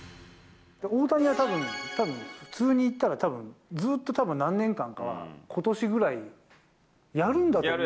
大谷はたぶん、普通にいったら、たぶん、ずっとたぶん、何年かはことしぐらい、やるんだと思う。